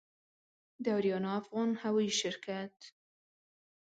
د آریانا افغان هوايي شرکت